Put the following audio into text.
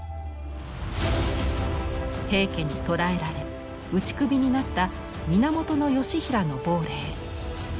平家に捕らえられ打ち首になった源義平の亡霊。